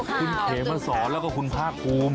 คุณเขมสอนแล้วก็คุณพ่ากุ้ม